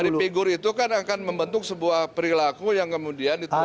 dari figur itu kan akan membentuk sebuah perilaku yang kemudian ditemukan